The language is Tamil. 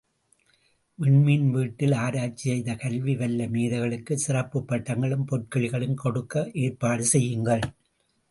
விண்மீண் வீட்டிலே ஆராய்ச்சி செய்த கல்வி வல்ல மேதைகளுக்குச் சிறப்புப் பட்டங்களும், பொற்கிழிகளும் கொடுக்க ஏற்பாடு செய்யுங்கள்.